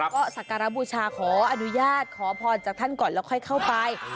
ก็สักการบูชาขออนุญาตขอพรจากท่านก่อนแล้วค่อยเข้าไป